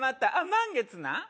満月なん？